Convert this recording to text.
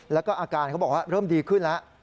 แล้วก็อาการเขาบอกว่าเริ่มดีขึ้นแล้ว